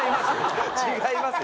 違いますよ！